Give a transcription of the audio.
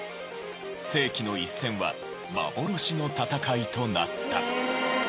世紀の一戦は幻の戦いとなった。